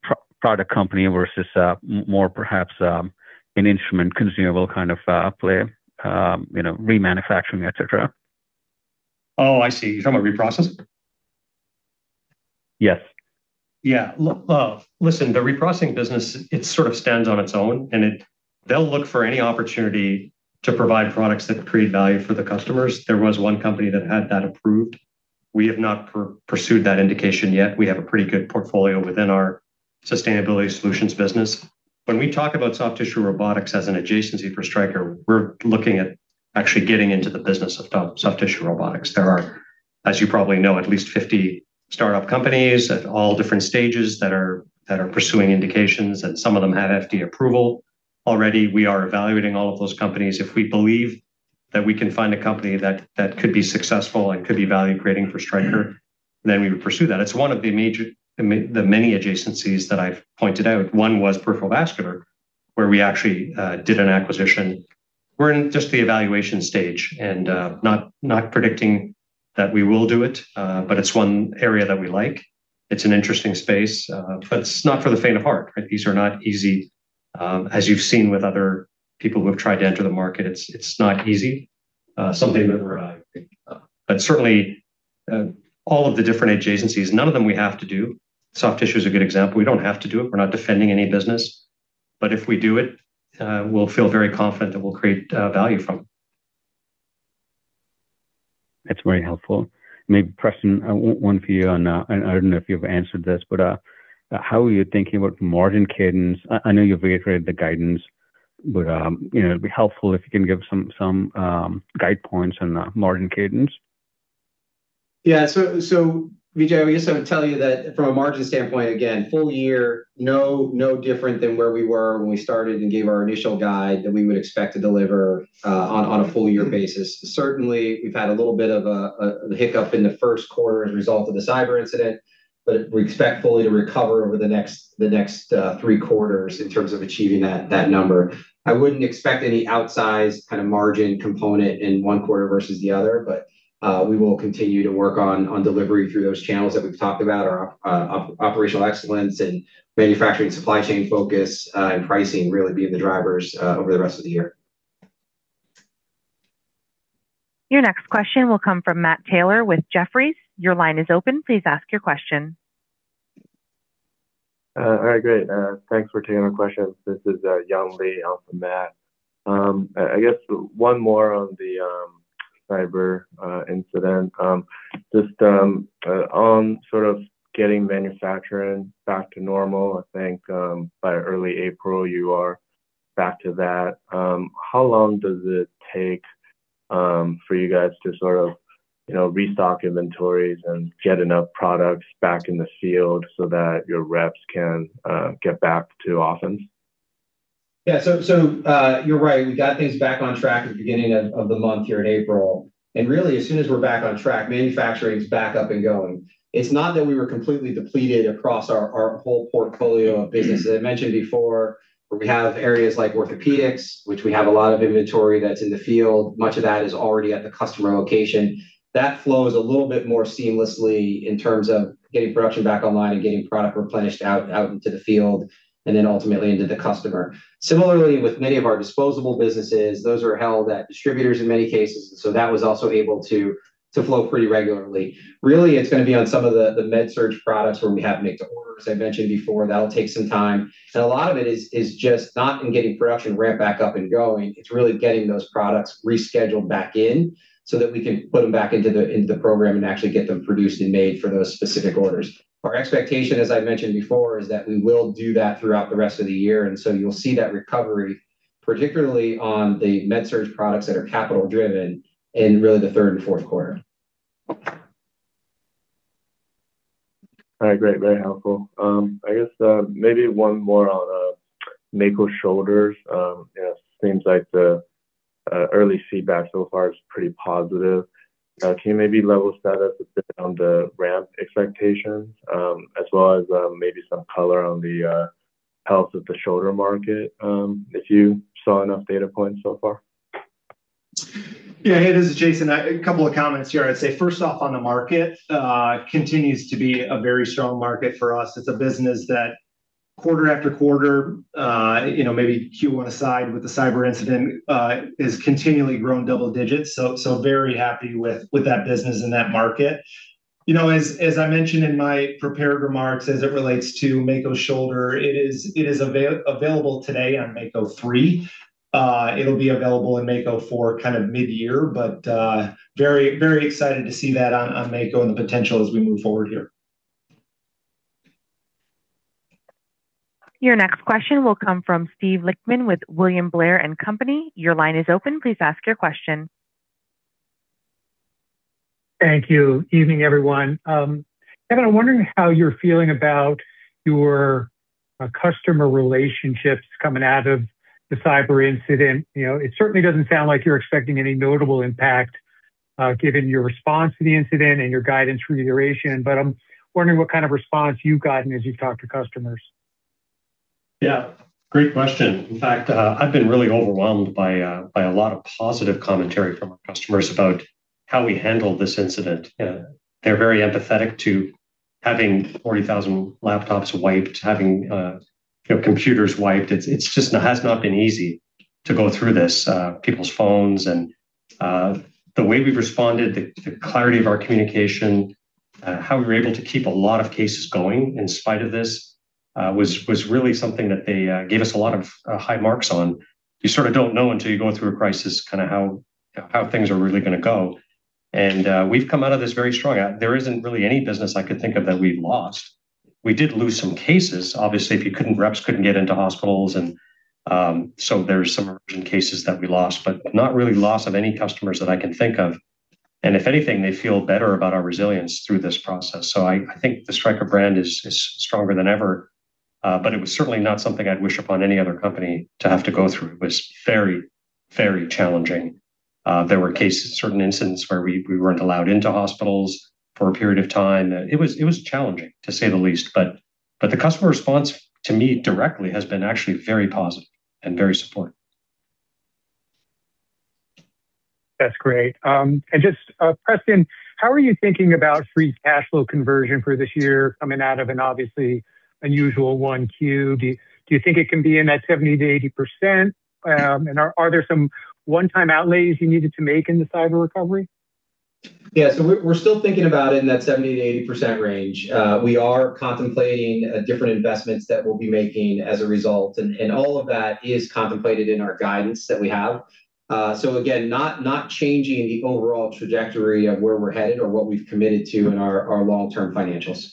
product company versus more perhaps, an instrument consumable kind of play, you know, remanufacturing, et cetera. Oh, I see. You're talking about reprocessing? Yes. Yeah. Listen, the reprocessing business, it sort of stands on its own, and they'll look for any opportunity to provide products that create value for the customers. There was one company that had that approved. We have not pursued that indication yet. We have a pretty good portfolio within our sustainability solutions business. When we talk about soft tissue robotics as an adjacency for Stryker, we're looking at actually getting into the business of soft tissue robotics. There are, as you probably know, at least 50 startup companies at all different stages that are, that are pursuing indications, and some of them have FDA approval already. We are evaluating all of those companies. If we believe that we can find a company that could be successful and could be value-creating for Stryker, we would pursue that. It's one of the many adjacencies that I've pointed out. One was peripheral vascular, where we actually did an acquisition. We're in just the evaluation stage and not predicting that we will do it, but it's one area that we like. It's an interesting space, but it's not for the faint of heart, right? These are not easy, as you've seen with other people who have tried to enter the market, it's not easy. Certainly, all of the different adjacencies, none of them we have to do. Soft tissue is a good example. We don't have to do it. We're not defending any business. If we do it, we'll feel very confident that we'll create value from it. That's very helpful. Maybe Preston, one for you on, I don't know if you've answered this, how are you thinking about margin cadence? I know you've reiterated the guidance, you know, it'd be helpful if you can give some guidepoints on margin cadence. Vijay, I guess I would tell you that from a margin standpoint, again, full year, no different than where we were when we started and gave our initial guide that we would expect to deliver on a full year basis. Certainly, we've had a little bit of a hiccup in the first quarter as a result of the cyber incident, but we expect fully to recover over the next three quarters in terms of achieving that number. I wouldn't expect any outsized kind of margin component in one quarter versus the other, but we will continue to work on delivery through those channels that we've talked about. Operational excellence and manufacturing supply chain focus and pricing really being the drivers over the rest of the year. Your next question will come from Matt Taylor with Jefferies. Your line is open, please ask your question. All right, great. Thanks for taking my questions. This is Young Li on for Matt. I guess one more on the cyber incident. Just on sort of getting manufacturing back to normal, I think by early April you are back to that. How long does it take for you guys to sort of, you know, restock inventories and get enough products back in the field so that your reps can get back to offense? You're right. We got things back on track at the beginning of the month here in April. As soon as we're back on track, manufacturing's back up and going. It's not that we were completely depleted across our whole portfolio of business. As I mentioned before, we have areas like orthopedics, which we have a lot of inventory that's in the field. Much of that is already at the customer location. That flows a little bit more seamlessly in terms of getting production back online and getting product replenished out into the field, and then ultimately into the customer. Similarly, with many of our disposable businesses, those are held at distributors in many cases, that was also able to flow pretty regularly. Really, it's gonna be on some of the MedSurg products where we have make to order, as I mentioned before. That'll take some time. A lot of it is just not in getting production ramped back up and going, it's really getting those products rescheduled back in so that we can put them back into the, into the program and actually get them produced and made for those specific orders. Our expectation, as I've mentioned before, is that we will do that throughout the rest of the year. You'll see that recovery, particularly on the MedSurg products that are capital driven, in really the third and fourth quarter. All right, great. Very helpful. I guess maybe one more on Mako Shoulders. You know, it seems like the early feedback so far is pretty positive. Can you maybe level us status a bit on the ramp expectations, as well as maybe some color on the health of the shoulder market, if you saw enough data points so far? Hey, this is Jason. A couple of comments here. I'd say, first off on the market, continues to be a very strong market for us. It's a business that quarter after quarter, you know, maybe Q1 aside with the cyber incident, is continually growing double digits, so very happy with that business and that market. You know, as I mentioned in my prepared remarks as it relates to Mako Shoulder, it is available today on Mako 3.0. It'll be available in Mako 4 kind of mid-year, but very excited to see that on Mako and the potential as we move forward here. Your next question will come from Steven Lichtman with William Blair & Company. Thank you. Evening, everyone. Kevin, I'm wondering how you're feeling about your customer relationships coming out of the cyber incident. You know, it certainly doesn't sound like you're expecting any notable impact, given your response to the incident and your guidance reiteration. I'm wondering what kind of response you've gotten as you've talked to customers. Yeah, great question. In fact, I've been really overwhelmed by a lot of positive commentary from our customers about how we handled this incident. They're very empathetic to having 40,000 laptops wiped, having, you know, computers wiped. It's, it's just not, has not been easy to go through this. People's phones and the way we've responded, the clarity of our communication, how we were able to keep a lot of cases going in spite of this, was really something that they gave us a lot of high marks on. You sort of don't know until you're going through a crisis kinda how things are really gonna go. We've come out of this very strong. There isn't really any business I could think of that we've lost. We did lose some cases. Obviously, if you couldn't, reps couldn't get into hospitals and, so there's some urgent cases that we lost, but not really loss of any customers that I can think of. If anything, they feel better about our resilience through this process. I think the Stryker brand is stronger than ever, but it was certainly not something I'd wish upon any other company to have to go through. It was very, very challenging. There were cases, certain incidents where we weren't allowed into hospitals for a period of time. It was challenging, to say the least. The customer response to me directly has been actually very positive and very supportive. That's great. Just, Preston, how are you thinking about free cash flow conversion for this year coming out of an obviously unusual 1Q? Do you think it can be in that 70%-80%? Are there some one-time outlays you needed to make in the cyber recovery? Yeah. We're still thinking about it in that 70%-80% range. We are contemplating different investments that we'll be making as a result, and all of that is contemplated in our guidance that we have. Again, not changing the overall trajectory of where we're headed or what we've committed to in our long-term financials.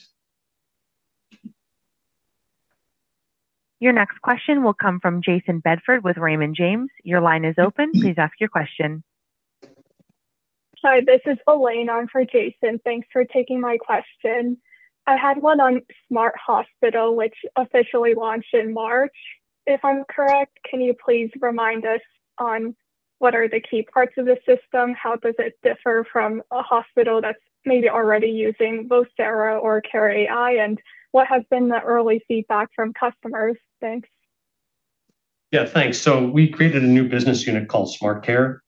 Your next question will come from Jayson Bedford with Raymond James. Your line is open, please ask your question. Sorry, this is [inaudible] on for Jayson. Thanks for taking my question. I had one on Smart Hospital, which officially launched in March, if I'm correct. Can you please remind us on what are the key parts of the system? How does it differ from a hospital that's maybe already using Vocera or care.ai? What has been the early feedback from customers? Thanks. Yeah, thanks. We created a new business unit called Smart Care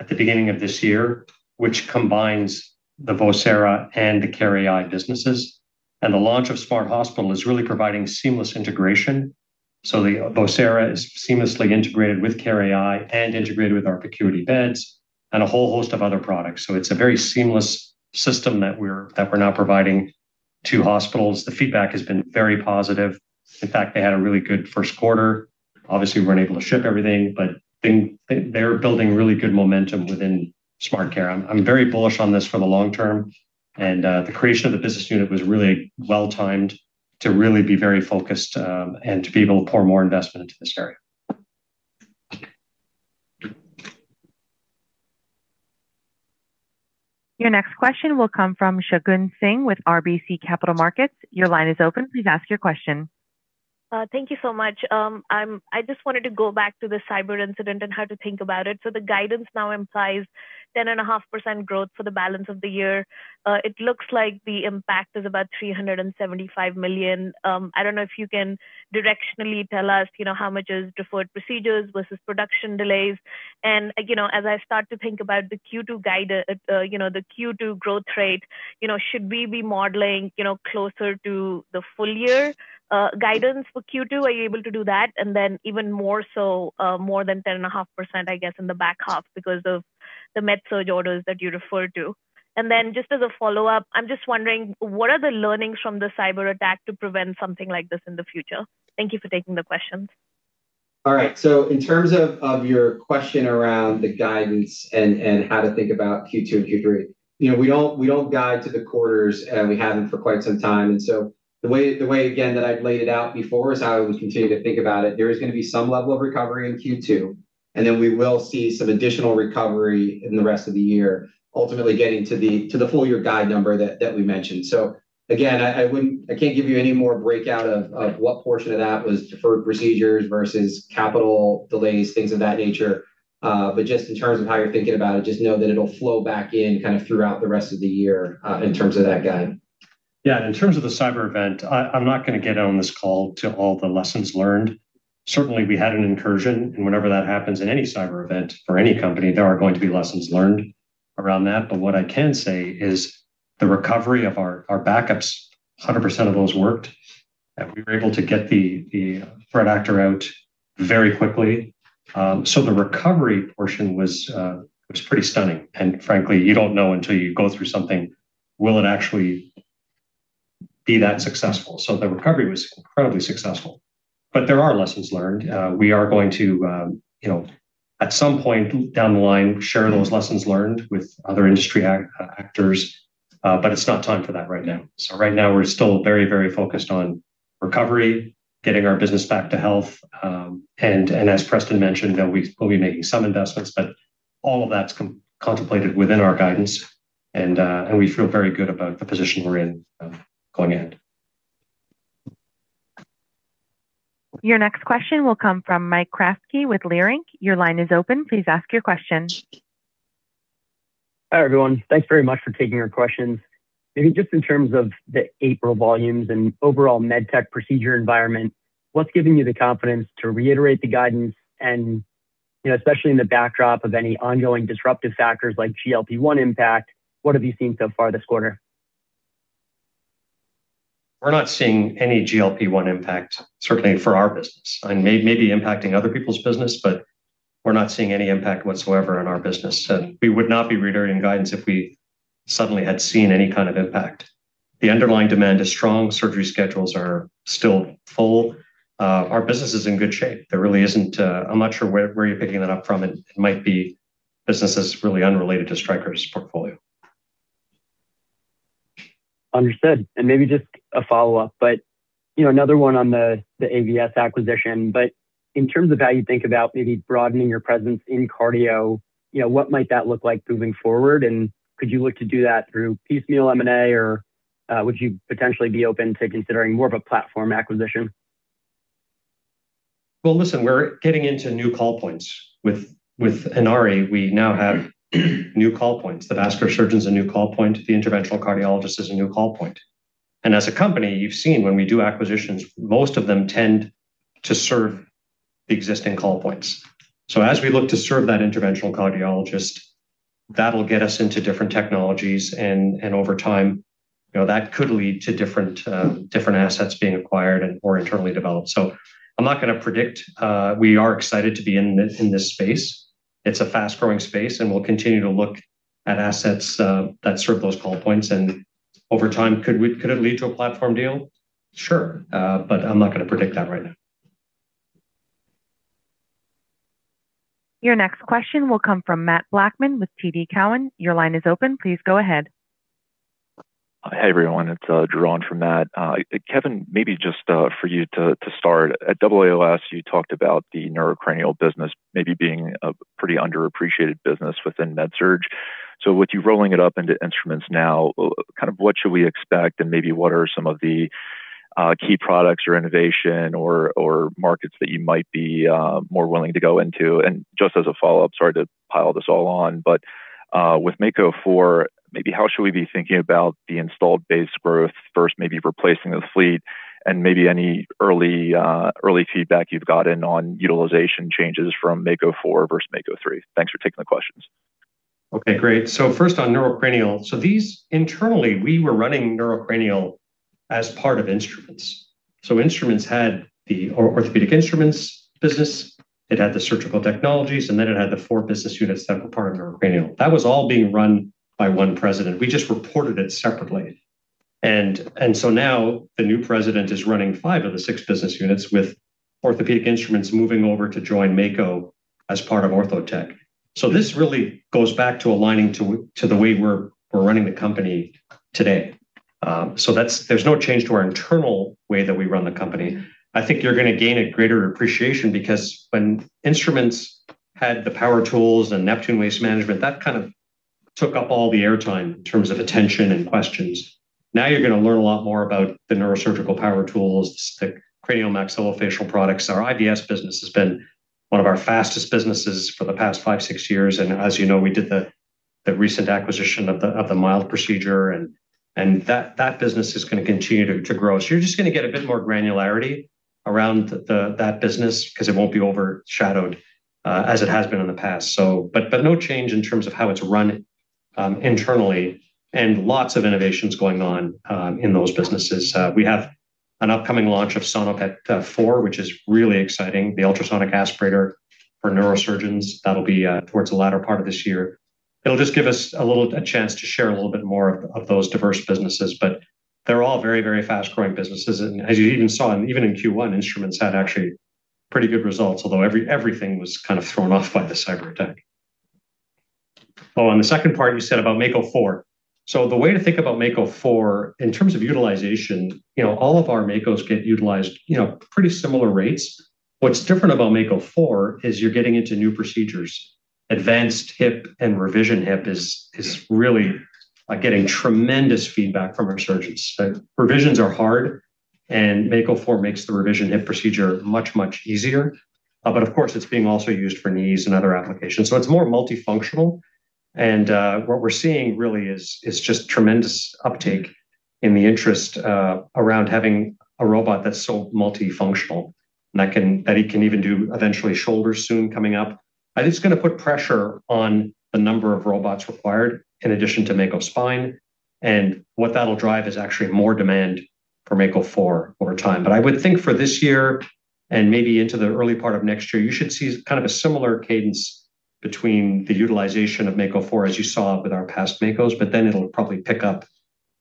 at the beginning of this year, which combines the Vocera and the care.ai businesses. The launch of Smart Hospital is really providing seamless integration. The Vocera is seamlessly integrated with care.ai and integrated with our ProCuity beds and a whole host of other products. It's a very seamless system that we're now providing to hospitals. The feedback has been very positive. In fact, they had a really good first quarter. Obviously we weren't able to ship everything, but think they're building really good momentum within Smart Care. I'm very bullish on this for the long term. The creation of the business unit was really well timed to really be very focused and to be able to pour more investment into this area. Your next question will come from Shagun Singh with RBC Capital Markets. Your line is open. Please ask your question. Thank you so much. I just wanted to go back to the cyber incident and how to think about it. The guidance now implies 10.5% growth for the balance of the year. It looks like the impact is about $375 million. I don't know if you can directionally tell us, you know, how much is deferred procedures versus production delays. You know, as I start to think about the Q2 growth rate, you know, should we be modeling, you know, closer to the full year guidance for Q2? Are you able to do that? Then even more so, more than 10.5%, I guess, in the back half because of the MedSurg orders that you referred to. Just as a follow-up, I'm just wondering, what are the learnings from the cyberattack to prevent something like this in the future? Thank you for taking the questions. All right. In terms of your question around the guidance and how to think about Q2 and Q3, you know, we don't, we don't guide to the quarters, and we haven't for quite some time. The way, again, that I've laid it out before is how we continue to think about it. There is going to be some level of recovery in Q2, and then we will see some additional recovery in the rest of the year, ultimately getting to the full year guide number that we mentioned. Again, I can't give you any more breakout of what portion of that was deferred procedures versus capital delays, things of that nature. Just in terms of how you're thinking about it, just know that it'll flow back in kind of throughout the rest of the year, in terms of that guide. Yeah. In terms of the cyber event, I'm not going to get on this call to all the lessons learned. Certainly, we had an incursion, whenever that happens in any cyber event for any company, there are going to be lessons learned around that. What I can say is the recovery of our backups, 100% of those worked, we were able to get the threat actor out very quickly. The recovery portion was pretty stunning. Frankly, you don't know until you go through something, will it actually be that successful? The recovery was incredibly successful. There are lessons learned. We are going to, you know, at some point down the line, share those lessons learned with other industry actors. It's not time for that right now. Right now we're still very focused on recovery, getting our business back to health. And as Preston mentioned, you know, we'll be making some investments, but all of that's contemplated within our guidance and we feel very good about the position we're in going ahead. Your next question will come from Mike Kratky with Leerink. Your line is open. Please ask your question. Hi, everyone. Thanks very much for taking our questions. Just in terms of the April volumes and overall med tech procedure environment, what's giving you the confidence to reiterate the guidance and, you know, especially in the backdrop of any ongoing disruptive factors like GLP-1 impact, what have you seen so far this quarter? We're not seeing any GLP-1 impact, certainly for our business. Maybe impacting other people's business, but we're not seeing any impact whatsoever on our business. We would not be reiterating guidance if we suddenly had seen any kind of impact. The underlying demand is strong. Surgery schedules are still full. Our business is in good shape. There really isn't, I'm not sure where you're picking that up from. It might be businesses really unrelated to Stryker's portfolio. Understood. Maybe just a follow-up, but another one on the AVS acquisition. In terms of how you think about maybe broadening your presence in cardio, what might that look like moving forward? Could you look to do that through piecemeal M&A, or would you potentially be open to considering more of a platform acquisition? Well, listen, we're getting into new call points. With Inari, we now have new call points. The vascular surgeon's a new call point. The interventional cardiologist is a new call point. As a company, you've seen when we do acquisitions, most of them tend to serve the existing call points. As we look to serve that interventional cardiologist, that'll get us into different technologies and over time, you know, that could lead to different assets being acquired and/or internally developed. I'm not going to predict. We are excited to be in this space. It's a fast-growing space, and we'll continue to look at assets that serve those call points. Over time, could it lead to a platform deal? Sure. I'm not going to predict that right now. Your next question will come from Matt Blackman with TD Cowen. Your line is open. Please go ahead. Hey, everyone, it's [inaudible] for Matt. Kevin, maybe just for you to start. At AAOS, you talked about the neurocranial business maybe being a pretty underappreciated business within MedSurg. With you rolling it up into instruments now, kind of what should we expect and maybe what are some of the key products or innovation or markets that you might be more willing to go into? Just as a follow-up, sorry to pile this all on. With Mako 4, maybe how should we be thinking about the installed base growth versus maybe replacing the fleet and maybe any early feedback you've gotten on utilization changes from Mako 4 versus Mako 3.0? Thanks for taking the questions. Okay, great. First on neurocranial. These internally, we were running neurocranial as part of Instruments. Instruments had the Orthopedic Instruments business, it had the Surgical Technologies, and then it had the four business units that were part of neurocranial. That was all being run by one president. Now the new president is running five of the six business units with Orthopedic Instruments moving over to join Mako as part of Ortho Tech. This really goes back to aligning to the way we're running the company today. That's there's no change to our internal way that we run the company. I think you're gonna gain a greater appreciation because when Instruments had the power tools and Neptune Waste Management, that kind of took up all the airtime in terms of attention and questions. You're gonna learn a lot more about the neurosurgical power tools, the craniomaxillofacial products. Our IVS business has been one of our fastest businesses for the past five, six years, and as you know, we did the recent acquisition of the mild procedure and that business is gonna continue to grow. You're just gonna get a bit more granularity around that business 'cause it won't be overshadowed as it has been in the past. But no change in terms of how it's run internally, and lots of innovations going on in those businesses. We have an upcoming launch of SONOPET 4, which is really exciting. The ultrasonic aspirator for neurosurgeons. That'll be towards the latter part of this year. It'll just give us a little chance to share a little bit more of those diverse businesses, but they're all very, very fast growing businesses. As you even saw, and even in Q1, everything was kind of thrown off by the cyberattack. On the second part you said about Mako 4. The way to think about Mako 4 in terms of utilization, you know, all of our Mako get utilized, you know, pretty similar rates. What's different about Mako 4 is you're getting into new procedures. Advanced hip and revision hip is really getting tremendous feedback from our surgeons. Revisions are hard, Mako 4 makes the revision hip procedure much, much easier. Of course it's being also used for knees and other applications. It's more multifunctional. What we're seeing really is just tremendous uptake in the interest around having a robot that's so multifunctional and that can, that it can even do eventually Mako Shoulder soon coming up. It's gonna put pressure on the number of robots required in addition to Mako Spine. What that'll drive is actually more demand for Mako 4 over time. I would think for this year and maybe into the early part of next year, you should see kind of a similar cadence between the utilization of Mako 4 as you saw with our past Makos, but then it'll probably pick up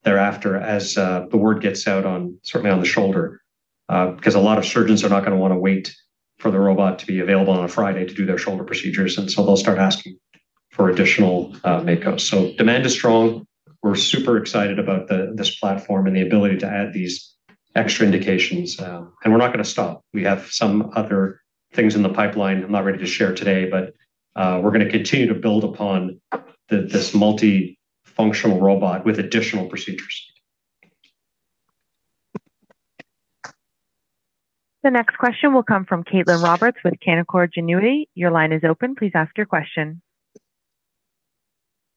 thereafter as the word gets out on certainly on the Mako Shoulder. 'Cause a lot of surgeons are not gonna wanna wait for the robot to be available on a Friday to do their shoulder procedures, they'll start asking for additional Makos. Demand is strong. We're super excited about this platform and the ability to add these extra indications. We're not gonna stop. We have some other things in the pipeline I'm not ready to share today, but we're gonna continue to build upon this multifunctional robot with additional procedures. The next question will come from Caitlin Roberts with Canaccord Genuity. Your line is open. Please ask your question.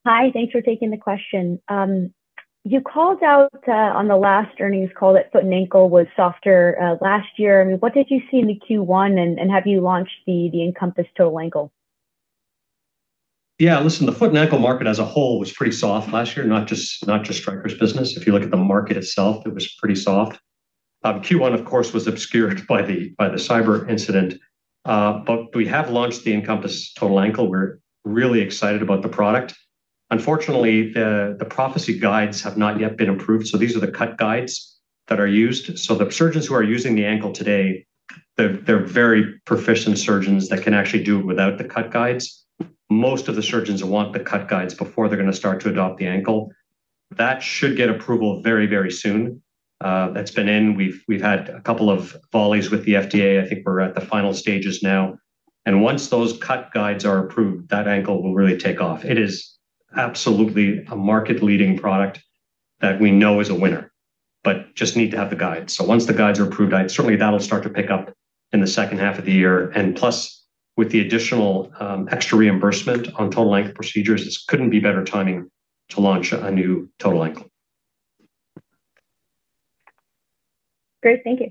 Hi. Thanks for taking the question. You called out on the last earnings call that foot and ankle was softer last year. I mean, what did you see in the Q1 and, have you launched the Incompass Total Ankle? Yeah. Listen, the foot and ankle market as a whole was pretty soft last year, not just Stryker's business. If you look at the market itself, it was pretty soft. Q1, of course, was obscured by the cyber incident. But we have launched the Incompass total ankle. We're really excited about the product. Unfortunately, the Prophecy guides have not yet been approved, so these are the cut guides that are used. The surgeons who are using the ankle today, they're very proficient surgeons that can actually do it without the cut guides. Most of the surgeons want the cut guides before they're gonna start to adopt the ankle. That should get approval very, very soon. That's been in. We've had a couple of volleys with the FDA. I think we're at the final stages now. Once those cut guides are approved, that ankle will really take off. It is absolutely a market leading product that we know is a winner, but just need to have the guides. Once the guides are approved, certainly that'll start to pick up in the second half of the year. Plus, with the additional extra reimbursement on total ankle procedures, this couldn't be better timing to launch a new total ankle. Great. Thank you.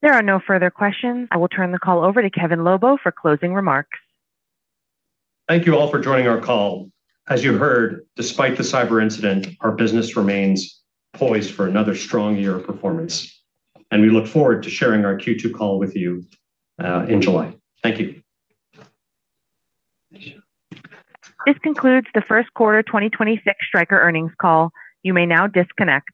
There are no further questions. I will turn the call over to Kevin Lobo for closing remarks. Thank you all for joining our call. As you heard, despite the cyber incident, our business remains poised for another strong year of performance, and we look forward to sharing our Q2 call with you in July. Thank you. This concludes the first quarter 2026 Stryker earnings call. You may now disconnect.